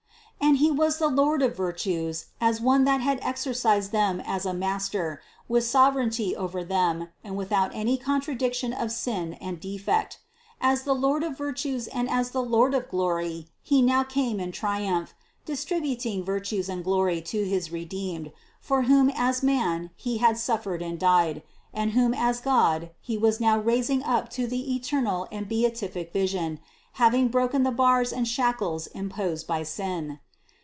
And He was the Lord of virtues, as one that had exercised them as a Master, with sovereignty over them^ and without any contradiction of sin and defect. As the Lord of virtues and as the Lord of glory, He now came in triumph, distributing virtues and glory to his redeemed, for whom as man He had suffered and died, and whom as God He was now raising up to the eternal and beatific vision, having broken the bars and shackles imposed by sin.